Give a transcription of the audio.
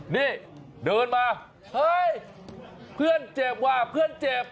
นี่เดินมาเฮ้ยเพื่อนเจ็บว่ะเพื่อนเจ็บ